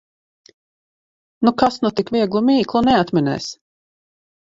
Nu, kas nu tik vieglu mīklu neatminēs!